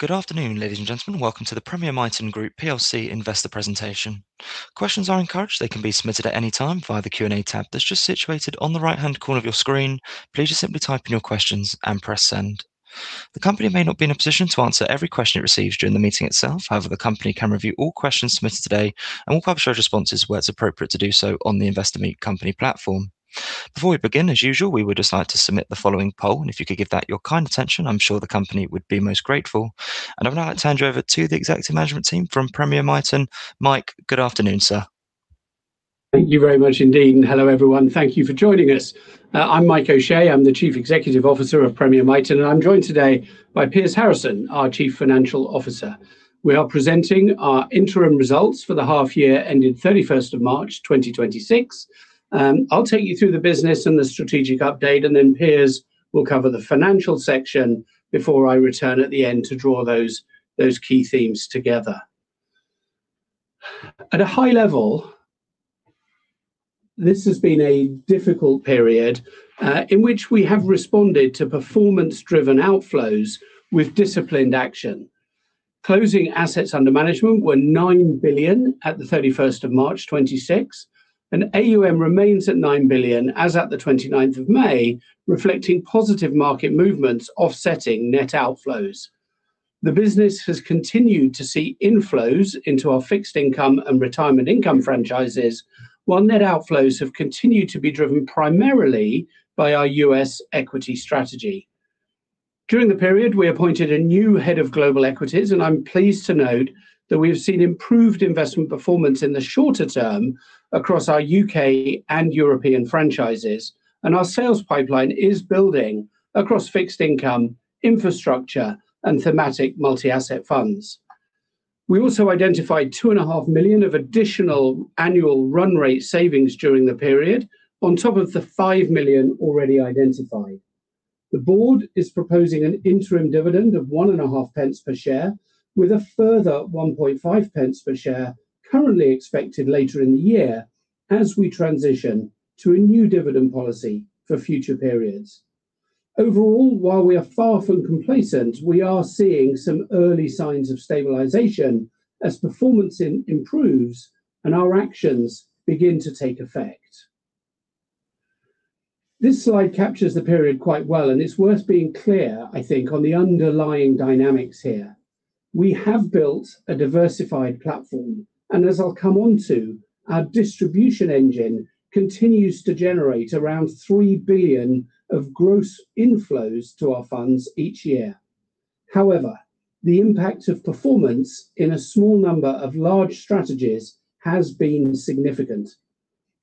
Good afternoon, ladies and gentlemen. Welcome to the Premier Miton Group plc investor presentation. Questions are encouraged. They can be submitted at any time via the Q&A tab that's just situated on the right-hand corner of your screen. Please just simply type in your questions and press send. The company may not be in a position to answer every question it receives during the meeting itself. The company can review all questions submitted today and will publish those responses where it's appropriate to do so on the Investor Meet Company platform. Before we begin, as usual, we would just like to submit the following poll, if you could give that your kind attention, I'm sure the company would be most grateful. I'll now hand you over to the executive management team from Premier Miton. Mike, good afternoon, sir. Thank you very much indeed. Hello, everyone. Thank you for joining us. I'm Mike O'Shea, I'm the Chief Executive Officer of Premier Miton, and I'm joined today by Piers Harrison, our Chief Financial Officer. We are presenting our interim results for the half year ending 31st of March 2026. I'll take you through the business and the strategic update, and then Piers will cover the financial section before I return at the end to draw those key themes together. At a high level, this has been a difficult period, in which we have responded to performance-driven outflows with disciplined action. Closing assets under management were 9 billion at the 31st of March 2026, and AUM remains at 9 billion as at the 29th of May, reflecting positive market movements offsetting net outflows. The business has continued to see inflows into our fixed income and retirement income franchises, while net outflows have continued to be driven primarily by our U.S. equity strategy. During the period, we appointed a new head of global equities. I'm pleased to note that we have seen improved investment performance in the shorter term across our U.K. and European franchises, and our sales pipeline is building across fixed income, infrastructure, and thematic multi-asset funds. We also identified two and a half million of additional annual run rate savings during the period, on top of the 5 million already identified. The board is proposing an interim dividend of 0.015 per share, with a further 0.015 per share currently expected later in the year as we transition to a new dividend policy for future periods. Overall, while we are far from complacent, we are seeing some early signs of stabilization as performance improves and our actions begin to take effect. This slide captures the period quite well and it's worth being clear, I think, on the underlying dynamics here. We have built a diversified platform, and as I'll come onto, our distribution engine continues to generate around 3 billion of gross inflows to our funds each year. However, the impact of performance in a small number of large strategies has been significant.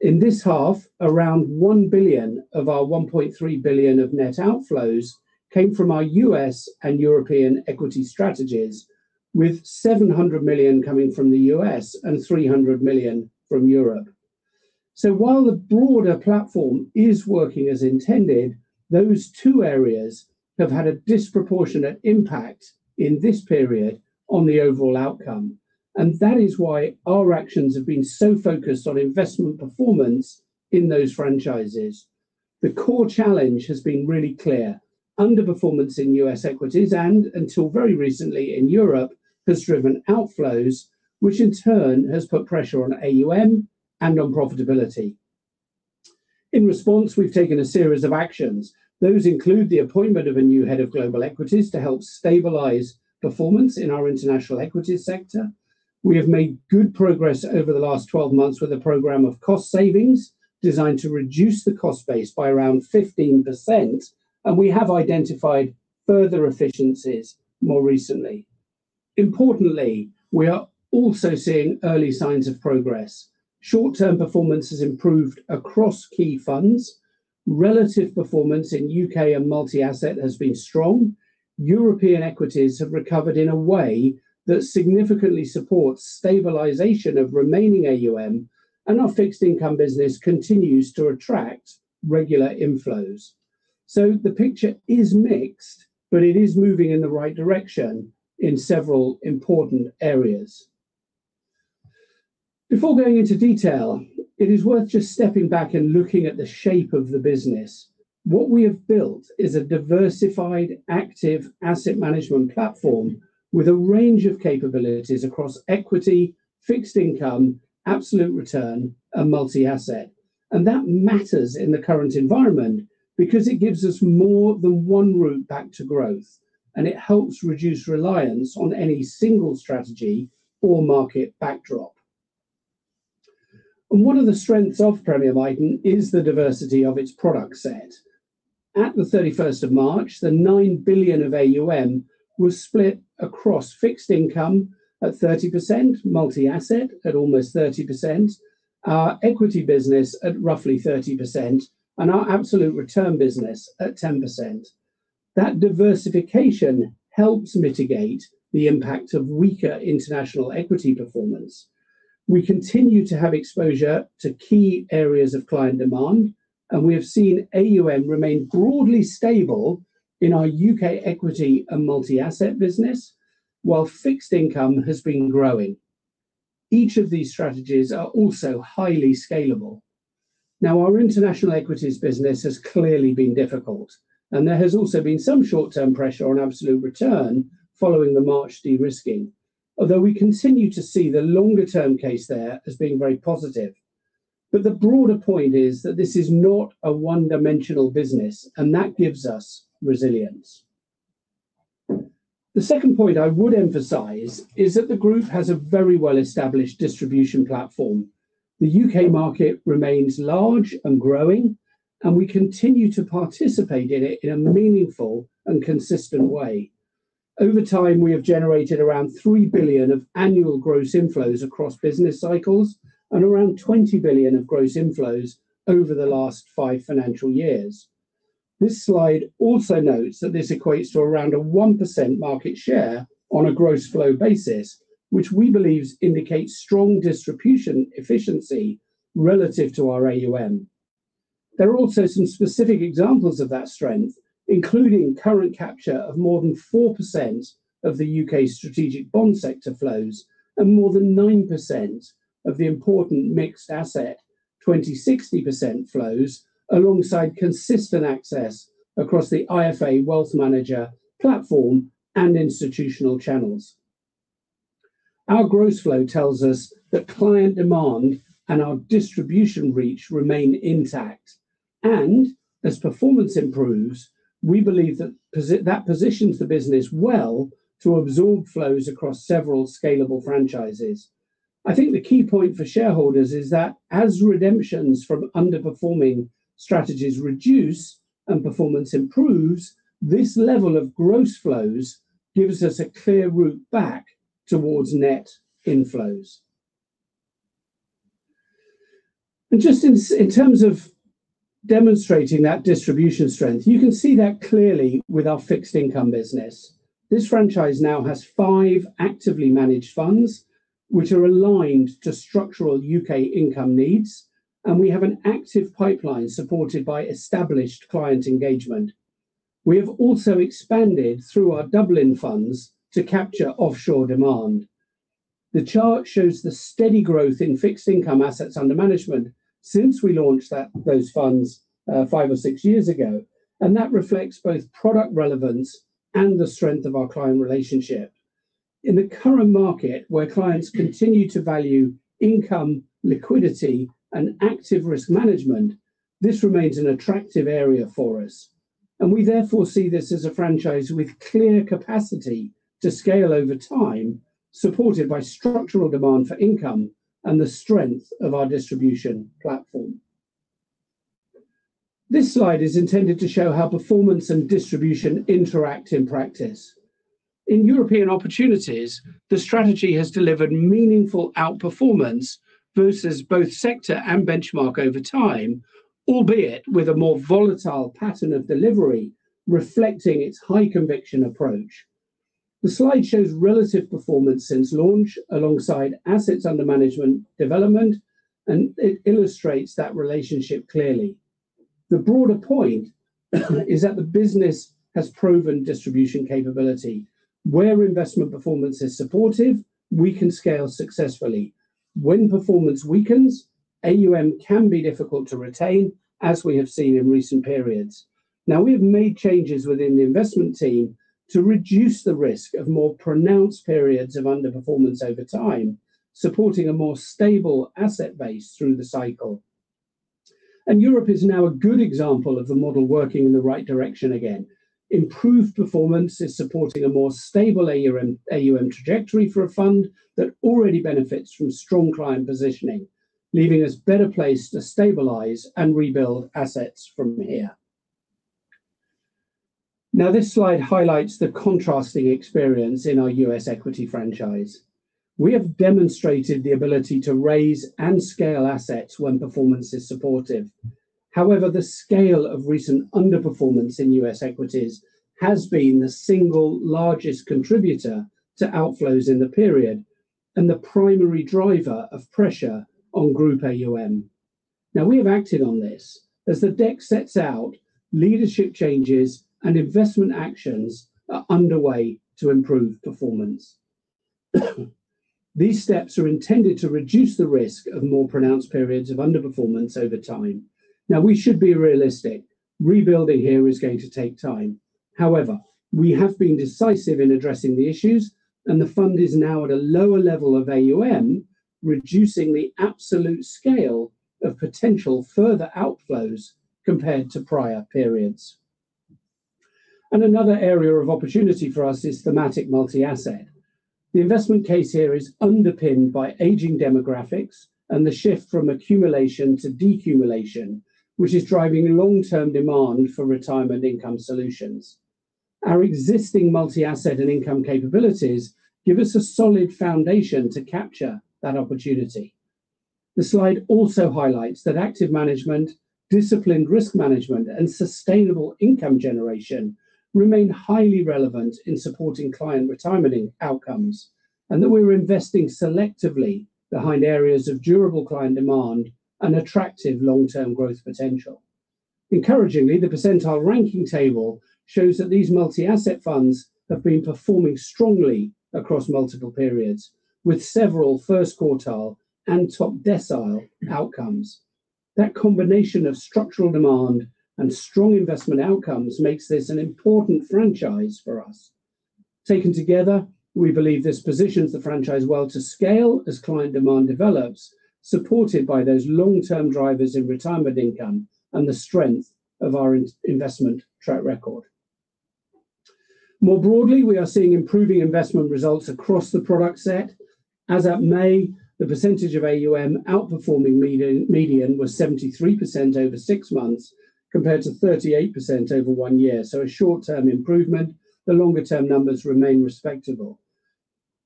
In this half, around 1 billion of our 1.3 billion of net outflows came from our U.S. and European equity strategies, with 700 million coming from the U.S. and 300 million from Europe. While the broader platform is working as intended, those two areas have had a disproportionate impact in this period on the overall outcome, and that is why our actions have been so focused on investment performance in those franchises. The core challenge has been really clear. Underperformance in U.S. equities and, until very recently in Europe, has driven outflows, which in turn has put pressure on AUM and on profitability. In response, we've taken a series of actions. Those include the appointment of a new head of global equities to help stabilize performance in our international equities sector. We have made good progress over the last 12 months with a program of cost savings designed to reduce the cost base by around 15%, and we have identified further efficiencies more recently. Importantly, we are also seeing early signs of progress. Short-term performance has improved across key funds. Relative performance in U.K. and multi-asset has been strong. European equities have recovered in a way that significantly supports stabilization of remaining AUM, and our fixed income business continues to attract regular inflows. The picture is mixed, but it is moving in the right direction in several important areas. Before going into detail, it is worth just stepping back and looking at the shape of the business. What we have built is a diversified active asset management platform with a range of capabilities across equity, fixed income, absolute return, and multi-asset. That matters in the current environment because it gives us more than one route back to growth, and it helps reduce reliance on any single strategy or market backdrop. One of the strengths of Premier Miton is the diversity of its product set. At the 31st of March, the 9 billion of AUM was split across fixed income at 30%, multi-asset at almost 30%, our equity business at roughly 30%, and our absolute return business at 10%. That diversification helps mitigate the impact of weaker international equity performance. We continue to have exposure to key areas of client demand. We have seen AUM remain broadly stable in our U.K. equity and multi-asset business, while fixed income has been growing. Each of these strategies are also highly scalable. Our international equities business has clearly been difficult. There has also been some short-term pressure on absolute return following the March de-risking. We continue to see the longer-term case there as being very positive. The broader point is that this is not a one-dimensional business. That gives us resilience. The second point I would emphasize is that the group has a very well-established distribution platform. The U.K. market remains large and growing, and we continue to participate in it in a meaningful and consistent way. Over time, we have generated around 3 billion of annual gross inflows across business cycles and around 20 billion of gross inflows over the last five financial years. This slide also notes that this equates to around a 1% market share on a gross flow basis, which we believe indicates strong distribution efficiency relative to our AUM. There are also some specific examples of that strength, including current capture of more than 4% of the U.K.'s strategic bond sector flows and more than 9% of the important Mixed Investment 20-60% Shares flows alongside consistent access across the IFA wealth manager platform and institutional channels. Our gross flow tells us that client demand and our distribution reach remain intact. As performance improves, we believe that positions the business well to absorb flows across several scalable franchises. I think the key point for shareholders is that as redemptions from underperforming strategies reduce and performance improves, this level of gross flows gives us a clear route back towards net inflows. Just in terms of demonstrating that distribution strength, you can see that clearly with our fixed income business. This franchise now has five actively managed funds, which are aligned to structural U.K. income needs, and we have an active pipeline supported by established client engagement. We have also expanded through our Dublin funds to capture offshore demand. The chart shows the steady growth in fixed income assets under management since we launched those funds five or six years ago. That reflects both product relevance and the strength of our client relationship. In the current market, where clients continue to value income, liquidity, and active risk management, this remains an attractive area for us. We therefore see this as a franchise with clear capacity to scale over time, supported by structural demand for income and the strength of our distribution platform. This slide is intended to show how performance and distribution interact in practice. In European Opportunities, the strategy has delivered meaningful outperformance versus both sector and benchmark over time, albeit with a more volatile pattern of delivery reflecting its high conviction approach. The slide shows relative performance since launch alongside assets under management development. It illustrates that relationship clearly. The broader point is that the business has proven distribution capability. Where investment performance is supportive, we can scale successfully. When performance weakens, AUM can be difficult to retain, as we have seen in recent periods. We've made changes within the investment team to reduce the risk of more pronounced periods of underperformance over time, supporting a more stable asset base through the cycle. Europe is now a good example of the model working in the right direction again. Improved performance is supporting a more stable AUM trajectory for a fund that already benefits from strong client positioning, leaving us better placed to stabilize and rebuild assets from here. This slide highlights the contrasting experience in our U.S. equity franchise. We have demonstrated the ability to raise and scale assets when performance is supportive. The scale of recent underperformance in U.S. equities has been the single largest contributor to outflows in the period and the primary driver of pressure on group AUM. We have acted on this. As the deck sets out, leadership changes and investment actions are underway to improve performance. These steps are intended to reduce the risk of more pronounced periods of underperformance over time. We should be realistic. Rebuilding here is going to take time. We have been decisive in addressing the issues, and the fund is now at a lower level of AUM, reducing the absolute scale of potential further outflows compared to prior periods. Another area of opportunity for us is thematic multi-asset. The investment case here is underpinned by aging demographics and the shift from accumulation to decumulation, which is driving long-term demand for retirement income solutions. Our existing multi-asset and income capabilities give us a solid foundation to capture that opportunity. The slide also highlights that active management, disciplined risk management, and sustainable income generation remain highly relevant in supporting client retirement outcomes, and that we're investing selectively behind areas of durable client demand and attractive long-term growth potential. Encouragingly, the percentile ranking table shows that these multi-asset funds have been performing strongly across multiple periods, with several first quartile and top decile outcomes. That combination of structural demand and strong investment outcomes makes this an important franchise for us. Taken together, we believe this positions the franchise well to scale as client demand develops, supported by those long-term drivers in retirement income and the strength of our investment track record. More broadly, we are seeing improving investment results across the product set. As at May, the percentage of AUM outperforming median was 73% over six months, compared to 38% over one year. A short-term improvement. The longer-term numbers remain respectable.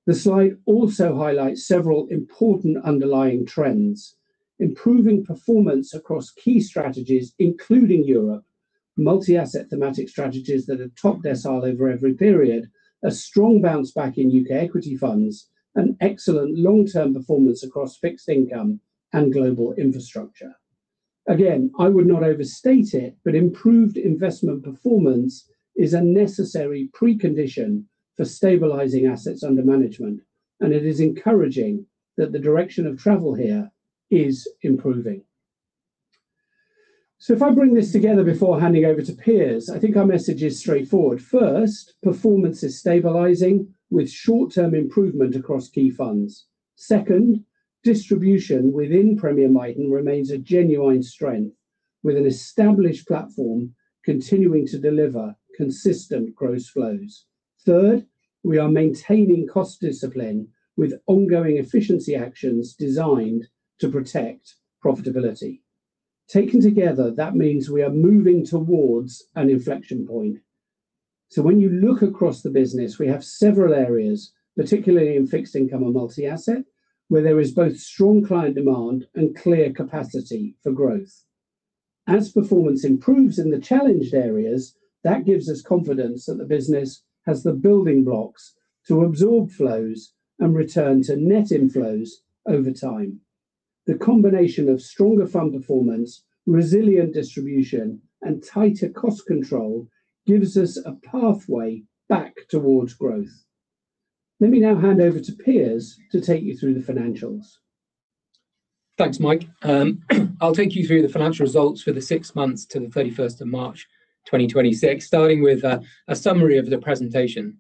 The slide also highlights several important underlying trends. Improving performance across key strategies including Europe, multi-asset thematic strategies that are top decile over every period, a strong bounce back in U.K. equity funds, and excellent long-term performance across fixed income and global infrastructure. Again, I would not overstate it, but improved investment performance is a necessary precondition for stabilizing assets under management, and it is encouraging that the direction of travel here is improving. If I bring this together before handing over to Piers, I think our message is straightforward. First, performance is stabilizing with short-term improvement across key funds. Second, distribution within Premier Miton remains a genuine strength, with an established platform continuing to deliver consistent gross flows. Third, we are maintaining cost discipline with ongoing efficiency actions designed to protect profitability. Taken together, that means we are moving towards an inflection point. When you look across the business, we have several areas, particularly in fixed income and multi-asset, where there is both strong client demand and clear capacity for growth. As performance improves in the challenged areas, that gives us confidence that the business has the building blocks to absorb flows and return to net inflows over time. The combination of stronger fund performance, resilient distribution, and tighter cost control gives us a pathway back towards growth. Let me now hand over to Piers to take you through the financials. Thanks, Mike. I'll take you through the financial results for the six months to the 31st of March 2026, starting with a summary of the presentation.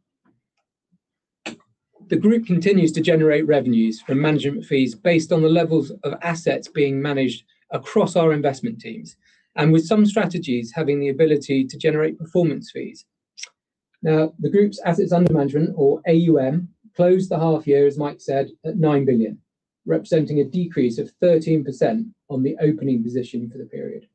The group continues to generate revenues from management fees based on the levels of assets being managed across our investment teams, and with some strategies having the ability to generate performance fees. Now, the group's assets under management, or AUM, closed the half year, as Mike said, at 9 billion, representing a decrease of 13% on the opening position for the period.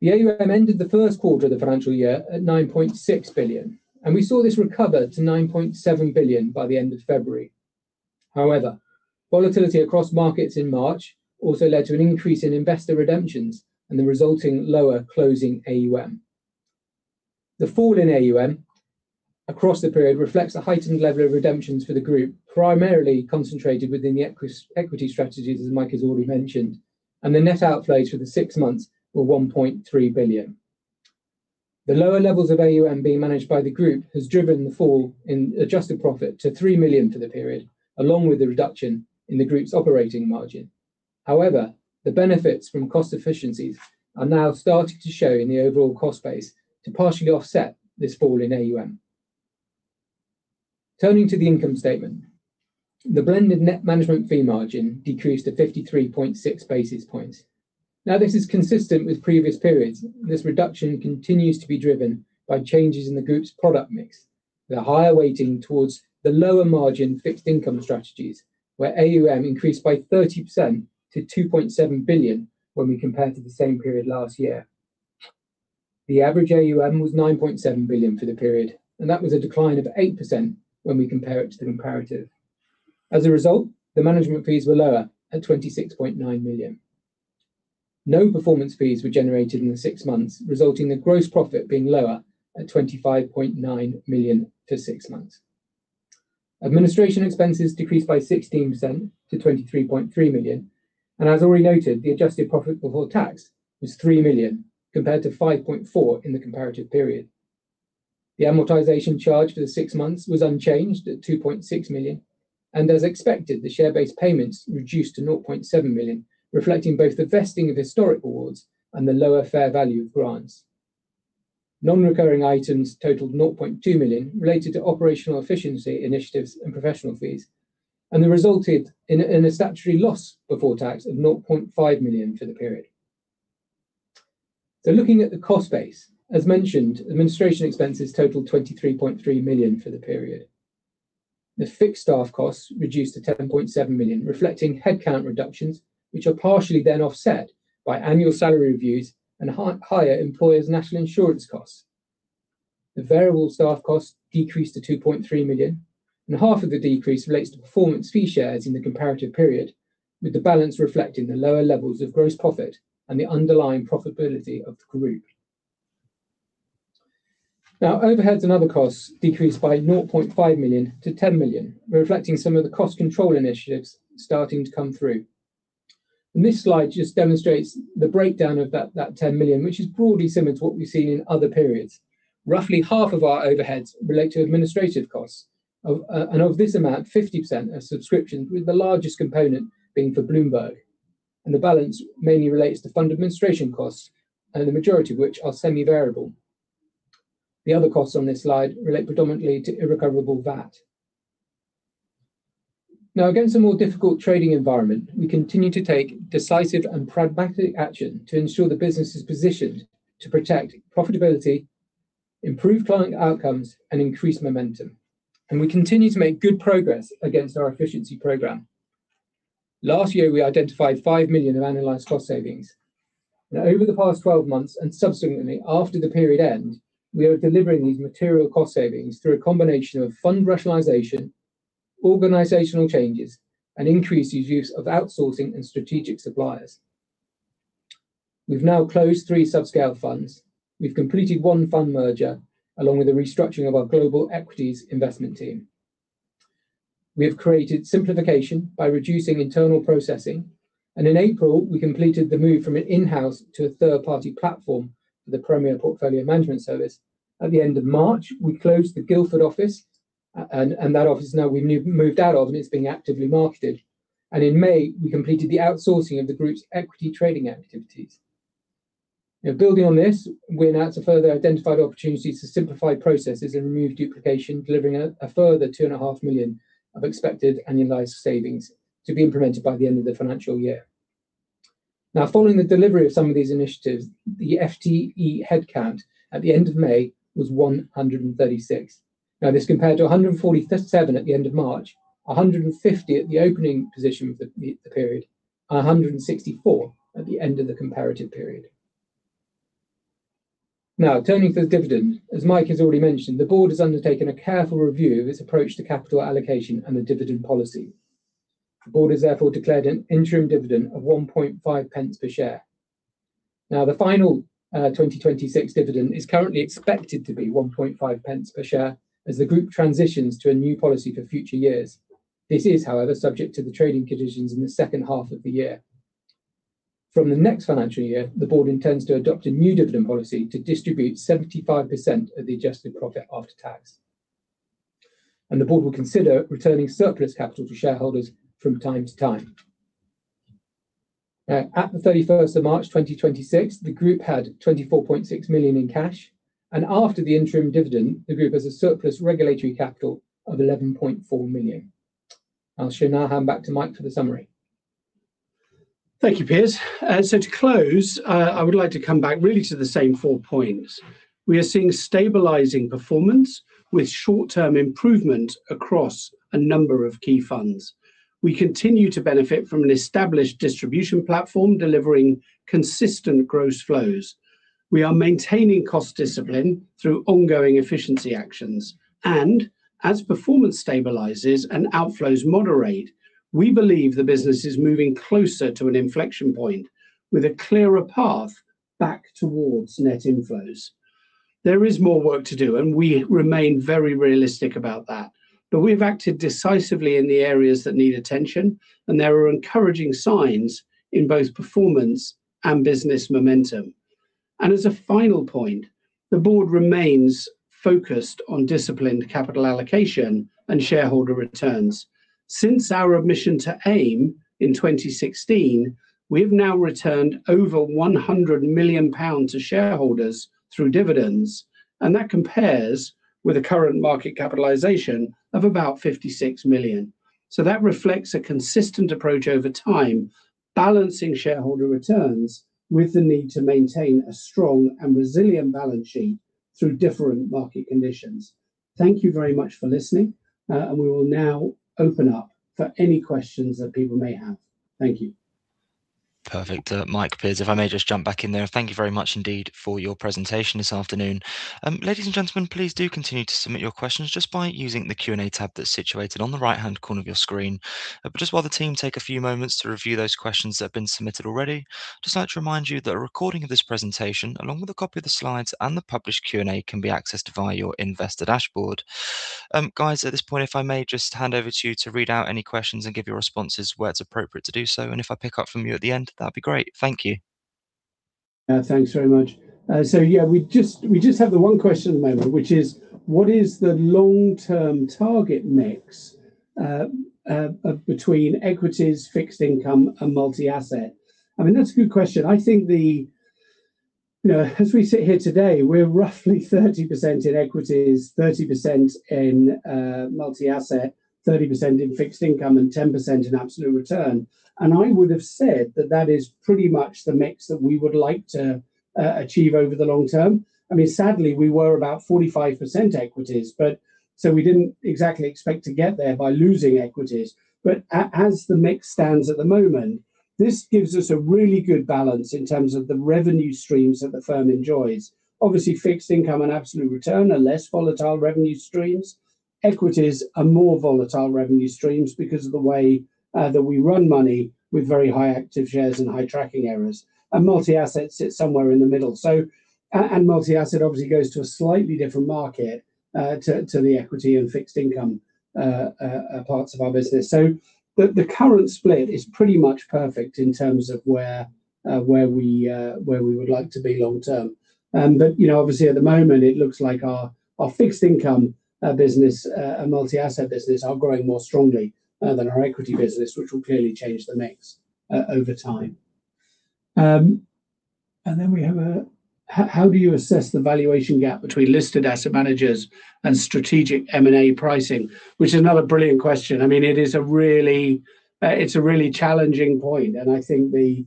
The AUM ended the first quarter of the financial year at 9.6 billion, and we saw this recover to 9.7 billion by the end of February. However, volatility across markets in March also led to an increase in investor redemptions and the resulting lower closing AUM. The fall in AUM across the period reflects a heightened level of redemptions for the group, primarily concentrated within the equity strategies, as Mike has already mentioned, and the net outflows for the six months were 1.3 billion. The lower levels of AUM being managed by the group has driven the fall in adjusted profit to 3 million for the period, along with the reduction in the group's operating margin. However, the benefits from cost efficiencies are now starting to show in the overall cost base to partially offset this fall in AUM. Turning to the income statement. The blended net management fee margin decreased to 53.6 basis points. This is consistent with previous periods. This reduction continues to be driven by changes in the group's product mix. The higher weighting towards the lower margin fixed income strategies, where AUM increased by 30% to 2.7 billion when we compare to the same period last year. The average AUM was 9.7 billion for the period, that was a decline of 8% when we compare it to the comparative. As a result, the management fees were lower at 26.9 million. No performance fees were generated in the six months, resulting in gross profit being lower at 25.9 million for six months. Administration expenses decreased by 16% to 23.3 million. As already noted, the adjusted profit before tax was 3 million compared to 5.4 million in the comparative period. The amortization charge for the six months was unchanged at 2.6 million. As expected, the share-based payments reduced to 0.7 million, reflecting both the vesting of historic awards and the lower fair value of grants. Non-recurring items totaled 0.2 million related to operational efficiency initiatives and professional fees. They resulted in a statutory loss before tax of 0.5 million for the period. Looking at the cost base. As mentioned, administration expenses totaled 23.3 million for the period. The fixed staff costs reduced to 10.7 million, reflecting headcount reductions, which are partially then offset by annual salary reviews and higher employers' national insurance costs. The variable staff costs decreased to 2.3 million. Half of the decrease relates to performance fee shares in the comparative period, with the balance reflecting the lower levels of gross profit and the underlying profitability of the group. Now, overheads and other costs decreased by 0.5 million-10 million. We're reflecting some of the cost control initiatives starting to come through. This slide just demonstrates the breakdown of that 10 million, which is broadly similar to what we've seen in other periods. Roughly half of our overheads relate to administrative costs. Of this amount, 50% are subscriptions, with the largest component being for Bloomberg. The balance mainly relates to fund administration costs, and the majority of which are semi-variable. The other costs on this slide relate predominantly to irrecoverable VAT. Now, against a more difficult trading environment, we continue to take decisive and pragmatic action to ensure the business is positioned to protect profitability, improve client outcomes, and increase momentum. We continue to make good progress against our efficiency program. Last year, we identified 5 million of annualized cost savings. Now, over the past 12 months and subsequently after the period end, we are delivering these material cost savings through a combination of fund rationalization, organizational changes, and increased use of outsourcing and strategic suppliers. We've now closed three subscale funds. We've completed one fund merger, along with a restructuring of our global equities investment team. We have created simplification by reducing internal processing, in April, we completed the move from an in-house to a third-party platform for the Premier Portfolio Management Service. At the end of March, we closed the Guildford office, and that office now we've moved out of, and it's being actively marketed. In May, we completed the outsourcing of the group's equity trading activities. Building on this, we're now to further identify the opportunities to simplify processes and remove duplication, delivering a further two and a half million of expected annualized savings to be implemented by the end of the financial year. Following the delivery of some of these initiatives, the FTE headcount at the end of May was 136. This compared to 147 at the end of March, 150 at the opening position of the period, 164 at the end of the comparative period. Turning to the dividend, as Mike has already mentioned, the board has undertaken a careful review of its approach to capital allocation and the dividend policy. The board has therefore declared an interim dividend of 0.015 per share. The final 2026 dividend is currently expected to be 0.015 per share as the Group transitions to a new policy for future years. This is, however, subject to the trading conditions in the second half of the year. From the next financial year, the Board intends to adopt a new dividend policy to distribute 75% of the adjusted profit after tax. The Board will consider returning surplus capital to shareholders from time to time. Now, at the 31st of March 2026, the Group had 24.6 million in cash, and after the interim dividend, the Group has a surplus regulatory capital of 11.4 million. I'll now hand back to Mike for the summary. Thank you, Piers. To close, I would like to come back really to the same four points. We are seeing stabilizing performance with short-term improvement across a number of key funds. We continue to benefit from an established distribution platform, delivering consistent gross flows. We are maintaining cost discipline through ongoing efficiency actions. As performance stabilizes and outflows moderate, we believe the business is moving closer to an inflection point with a clearer path back towards net inflows. There is more work to do, and we remain very realistic about that. We've acted decisively in the areas that need attention, and there are encouraging signs in both performance and business momentum. As a final point, the board remains focused on disciplined capital allocation and shareholder returns. Since our admission to AIM in 2016, we've now returned over 100 million pounds to shareholders through dividends. That compares with a current market capitalization of about 56 million. That reflects a consistent approach over time, balancing shareholder returns with the need to maintain a strong and resilient balance sheet through different market conditions. Thank you very much for listening. We will now open up for any questions that people may have. Thank you. Perfect. Mike, Piers, if I may just jump back in there. Thank you very much indeed for your presentation this afternoon. Ladies and gentlemen, please do continue to submit your questions just by using the Q&A tab that's situated on the right-hand corner of your screen. Just while the team take a few moments to review those questions that have been submitted already, just like to remind you that a recording of this presentation, along with a copy of the slides and the published Q&A can be accessed via your investor dashboard. Guys, at this point, if I may just hand over to you to read out any questions and give your responses where it's appropriate to do so. If I pick up from you at the end, that'd be great. Thank you. Thanks very much. Yeah, we just have the one question at the moment, which is, "What is the long-term target mix between equities, fixed income, and multi-asset?" I mean, that's a good question. As we sit here today, we're roughly 30% in equities, 30% in multi-asset, 30% in fixed income, and 10% in absolute return. I would've said that that is pretty much the mix that we would like to achieve over the long term. I mean, sadly, we were about 45% equities, so we didn't exactly expect to get there by losing equities. As the mix stands at the moment, this gives us a really good balance in terms of the revenue streams that the firm enjoys. Obviously, fixed income and absolute return are less volatile revenue streams. Equities are more volatile revenue streams because of the way that we run money with very high active shares and high tracking errors. Multi-asset sits somewhere in the middle. Multi-asset obviously goes to a slightly different market to the equity and fixed income parts of our business. The current split is pretty much perfect in terms of where we would like to be long term. Obviously at the moment it looks like our fixed income business and multi-asset business are growing more strongly than our equity business, which will clearly change the mix over time. We have, how do you assess the valuation gap between listed asset managers and strategic M&A pricing? Which is another brilliant question. It's a really challenging point, and I think the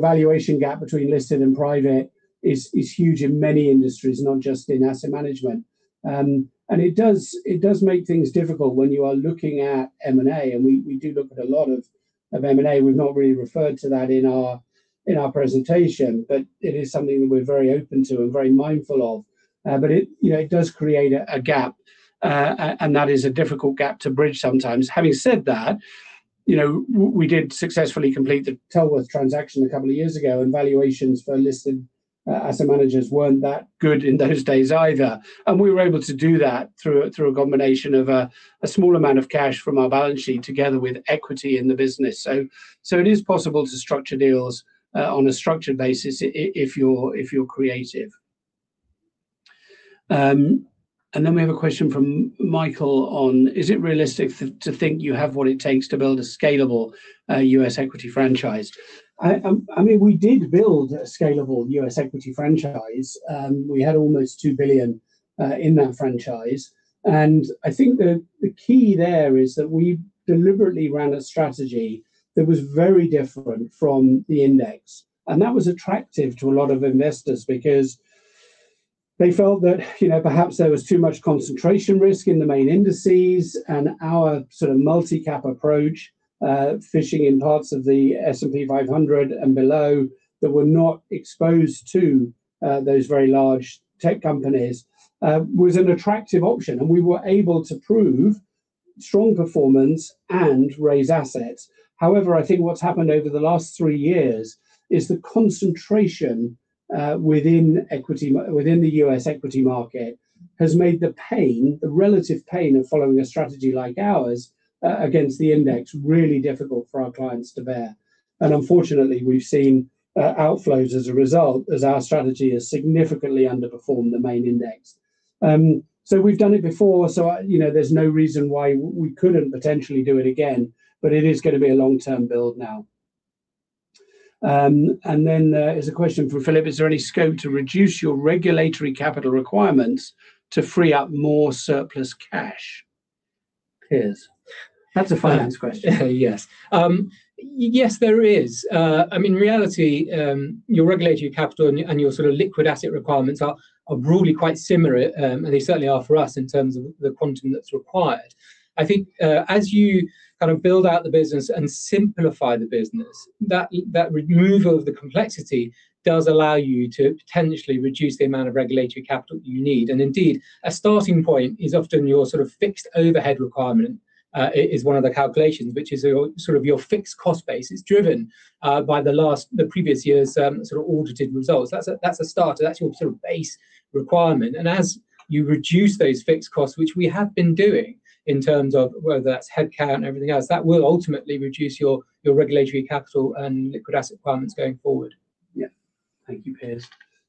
valuation gap between listed and private is huge in many industries, not just in asset management. It does make things difficult when you are looking at M&A, and we do look at a lot of M&A. We've not really referred to that in our presentation, but it is something that we're very open to and very mindful of. It does create a gap, and that is a difficult gap to bridge sometimes. Having said that, we did successfully complete the Tellworth transaction a couple of years ago, and valuations for listed asset managers weren't that good in those days either. We were able to do that through a combination of a small amount of cash from our balance sheet together with equity in the business. It is possible to structure deals on a structured basis if you're creative. We have a question from Michael on: Is it realistic to think you have what it takes to build a scalable U.S. equity franchise? We did build a scalable U.S. equity franchise. We had almost $2 billion in that franchise. I think the key there is that we deliberately ran a strategy that was very different from the index, and that was attractive to a lot of investors because they felt that perhaps there was too much concentration risk in the main indices and our sort of multi-cap approach, fishing in parts of the S&P 500 and below that were not exposed to those very large tech companies was an attractive option, and we were able to prove strong performance and raise assets. However, I think what's happened over the last three years is the concentration within the U.S. equity market has made the pain, the relative pain of following a strategy like ours against the index really difficult for our clients to bear. Unfortunately, we've seen outflows as a result, as our strategy has significantly underperformed the main index. We've done it before, so there's no reason why we couldn't potentially do it again, but it is going to be a long-term build now. There's a question for Philip. Is there any scope to reduce your regulatory capital requirements to free up more surplus cash? Piers. That's a finance question. Yes. Yes, there is. In reality, your regulatory capital and your sort of liquid asset requirements are broadly quite similar, and they certainly are for us in terms of the quantum that's required. I think as you build out the business and simplify the business, that removal of the complexity does allow you to potentially reduce the amount of regulatory capital you need. Indeed, a starting point is often your fixed overhead requirement is one of the calculations, which is your fixed cost base is driven by the previous year's audited results. That's a starter. That's your base requirement. As you reduce those fixed costs, which we have been doing, in terms of whether that's headcount and everything else, that will ultimately reduce your regulatory capital and liquid asset requirements going forward. Yeah. Thank you, Piers.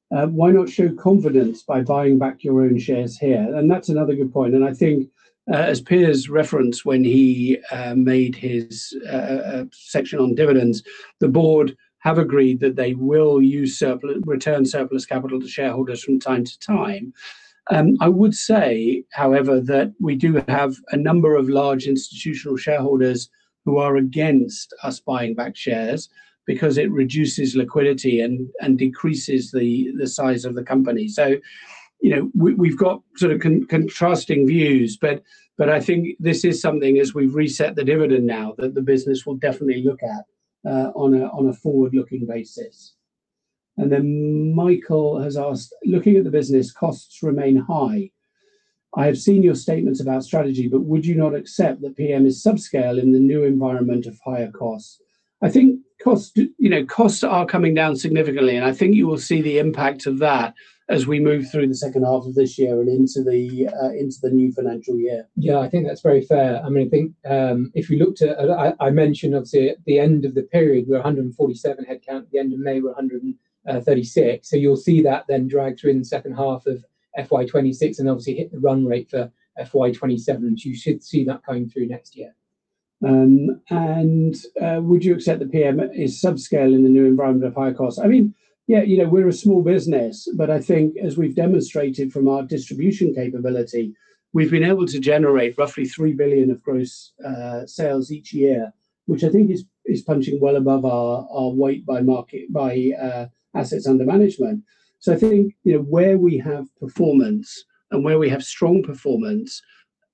Why not show confidence by buying back your own shares here? That's another good point, and I think as Piers referenced when he made his section on dividends, the board have agreed that they will return surplus capital to shareholders from time to time. I would say, however, that we do have a number of large institutional shareholders who are against us buying back shares because it reduces liquidity and decreases the size of the company. We've got sort of contrasting views, but I think this is something as we've reset the dividend now, that the business will definitely look at on a forward-looking basis. Then Michael has asked: Looking at the business, costs remain high. I have seen your statements about strategy, but would you not accept that PM is subscale in the new environment of higher costs? I think costs are coming down significantly, and I think you will see the impact of that as we move through the second half of this year and into the new financial year. I think that's very fair. I mentioned, obviously, at the end of the period, we were 147 headcount. At the end of May, we were 136. You'll see that then drag through in the second half of FY 2026 and obviously hit the run rate for FY 2027, which you should see that coming through next year. Would you accept that PMF is subscale in the new environment of higher costs? Yeah, we're a small business, but I think as we've demonstrated from our distribution capability, we've been able to generate roughly 3 billion of gross sales each year, which I think is punching well above our weight by assets under management. I think where we have performance and where we have strong performance,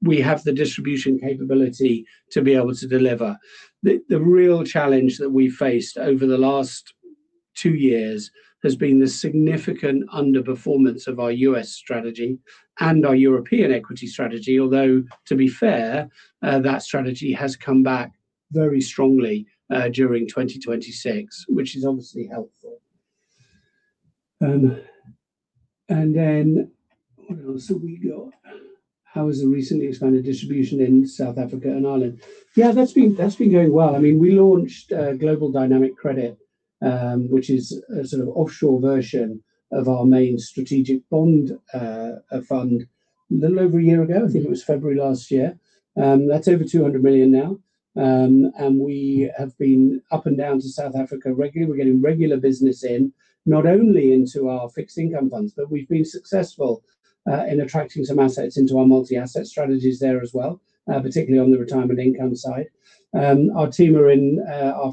we have the distribution capability to be able to deliver. The real challenge that we've faced over the last two years has been the significant underperformance of our U.S. strategy and our European equity strategy. To be fair, that strategy has come back very strongly during 2026, which is obviously helpful. What else have we got? How is the recently expanded distribution in South Africa and Ireland? Yeah, that's been going well. We launched Global Dynamic Credit, which is a sort of offshore version of our main strategic bond fund a little over a year ago, I think it was February last year. That's over 200 million now. We have been up and down to South Africa regularly. We're getting regular business in, not only into our fixed income funds, but we've been successful in attracting some assets into our multi-asset strategies there as well, particularly on the retirement income side. Our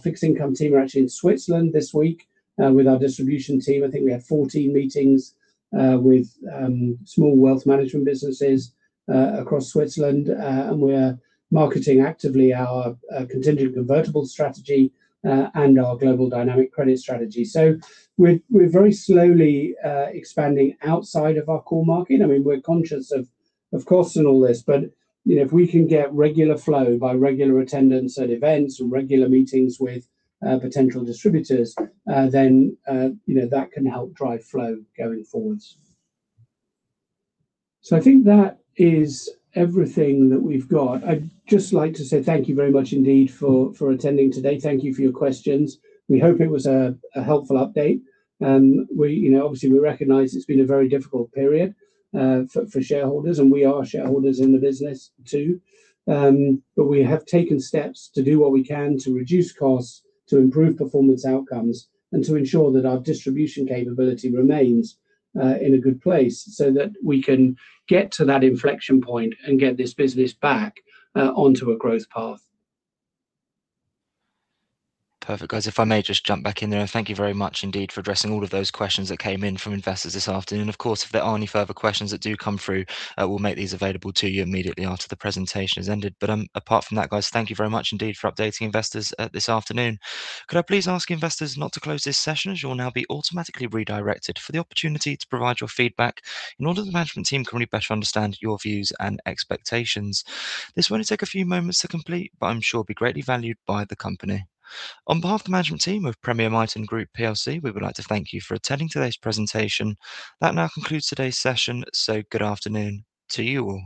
fixed income team are actually in Switzerland this week with our distribution team. I think we have 14 meetings with small wealth management businesses across Switzerland, and we're marketing actively our contingent convertible strategy and our Global Dynamic Credit strategy. We're very slowly expanding outside of our core market. We're conscious of costs and all this, but if we can get regular flow by regular attendance at events and regular meetings with potential distributors, then that can help drive flow going forward. I think that is everything that we've got. I'd just like to say thank you very much indeed for attending today. Thank you for your questions. We hope it was a helpful update. Obviously, we recognize it's been a very difficult period for shareholders, and we are shareholders in the business too. We have taken steps to do what we can to reduce costs, to improve performance outcomes, and to ensure that our distribution capability remains in a good place so that we can get to that inflection point and get this business back onto a growth path. Perfect. Guys, if I may just jump back in there, thank you very much indeed for addressing all of those questions that came in from investors this afternoon. Of course, if there are any further questions that do come through, we'll make these available to you immediately after the presentation has ended. Apart from that, guys, thank you very much indeed for updating investors this afternoon. Could I please ask investors not to close this session as you will now be automatically redirected for the opportunity to provide your feedback in order the management team can really better understand your views and expectations. This will only take a few moments to complete, but I'm sure will be greatly valued by the company. On behalf of the management team of Premier Miton Group PLC, we would like to thank you for attending today's presentation. That now concludes today's session, so good afternoon to you all.